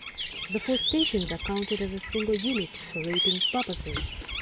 The four stations are counted as a single unit for ratings purposes.